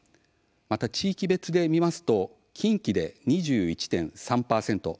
地域別で見ますと近畿で２１．３％。